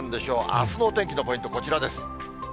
あすのお天気のポイント、こちらです。